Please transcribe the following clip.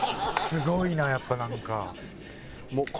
すごいなやっぱなんか。